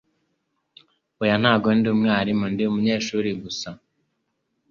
Oya, ntabwo ndi umwarimu. Ndi umunyeshuri gusa.